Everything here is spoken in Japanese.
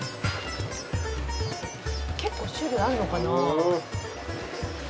「結構種類あるのかな？」